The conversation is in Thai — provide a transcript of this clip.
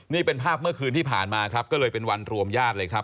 นี่เป็นภาพเมื่อคืนที่ผ่านมาครับก็เลยเป็นวันรวมญาติเลยครับ